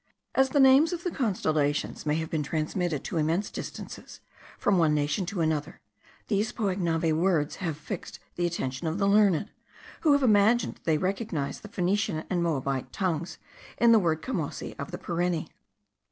As the names of the constellations may have been transmitted to immense distances from one nation to another, these Poignave words have fixed the attention of the learned, who have imagined they recognize the Phoenician and Moabite tongues in the word camosi of the Pareni.